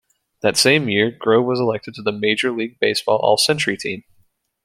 That same year, Grove was elected to the Major League Baseball All-Century Team.